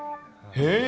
へえ。